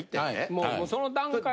もうその段階で。